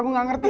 aku gak ngerti